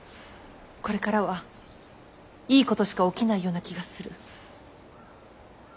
これからはいいことしか起きないような気がする。